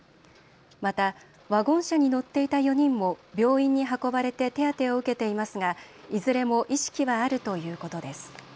またワゴン車に乗っていた４人も病院に運ばれて手当てを受けていますがいずれも意識はあるということです。